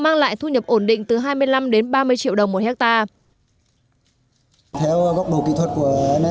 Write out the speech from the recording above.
mang lại thu nhập ổn định từ hai mươi năm đến ba mươi triệu đồng một hectare